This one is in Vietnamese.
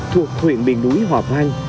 thuộc huyện biển núi hòa vang